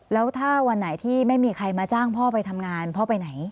แล้วถ้าวันไหนที่ไม่มีใครมาจ้างพ่อไปทำงานพ่อไปไหน